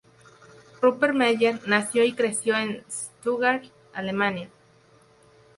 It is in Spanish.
Rupert Mayer nació y creció en Stuttgart, Alemania.